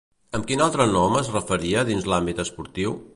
Amb quin altre nom és referida dins l'àmbit esportiu?